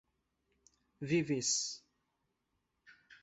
vivis